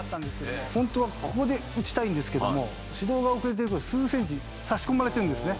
本当はここで打ちたいんですけども、始動が遅れてるので、数センチ差し込まれてるんですね。